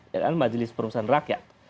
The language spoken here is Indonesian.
yaitu majelis perusahaan rakyat